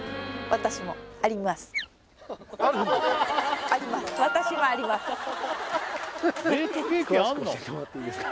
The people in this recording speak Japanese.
私はあります